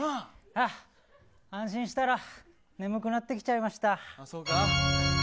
安心したら眠くなってきちゃいました。